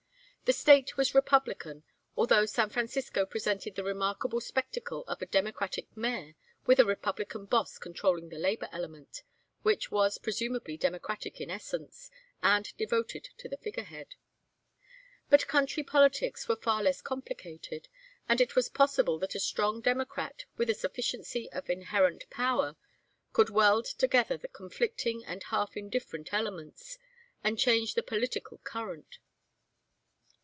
The State was Republican, although San Francisco presented the remarkable spectacle of a Democratic mayor with a Republican boss controlling the labor element, which was presumably democratic in essence, and devoted to the figurehead. But country politics were far less complicated, and it was possible that a strong Democrat with a sufficiency of inherent power could weld together the conflicting and half indifferent elements, and change the political current.